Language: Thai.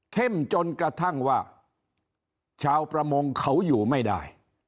จนกระทั่งว่าชาวประมงเขาอยู่ไม่ได้